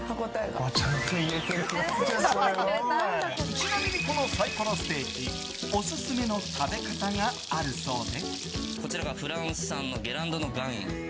ちなみにこのサイコロステーキオススメの食べ方があるそうで。